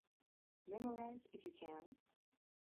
Memorise if you can.